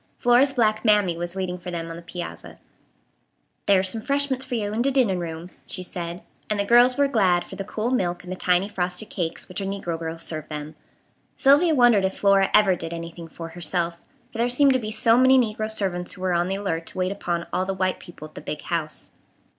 Flora's black "Mammy" was waiting for them on the piazza. "Thar's some 'freshments fur yo' in de dinin' room," she said; and the girls were glad for the cool milk and the tiny frosted cakes which a negro girl served them. Sylvia wondered if Flora ever did anything for herself; for there seemed to be so many negro servants who were on the alert to wait upon all the white people at the "big house."